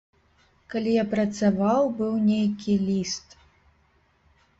Калі я працаваў, быў нейкі ліст.